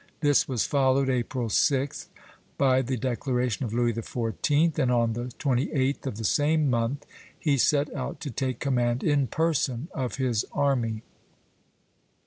This was followed, April 6th, by the declaration of Louis XIV.; and on the 28th of the same month he set out to take command in person of his army.